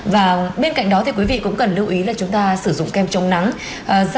và bên cạnh đó thì quý vị cũng cần lưu ý là chúng ta sử dụng kem chống nắng